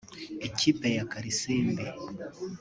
Ikipe ya Kalisimbi